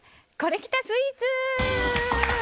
コレきたスイーツ。